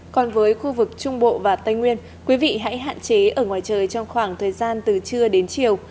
còn với khu vực trung bộ và tây nguyên quý vị hãy hạn chế ở ngoài trời trong khoảng thời gian từ trưa đến chiều